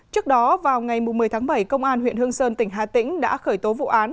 trước đó vào ngày một mươi tháng bảy công an huyện hương sơn tỉnh hà tĩnh đã khởi tố vụ án